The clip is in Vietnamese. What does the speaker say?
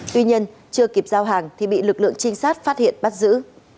tuy nhiên chưa kịp giao hàng thì bị lực lượng trinh sát phát hiện bắt giữ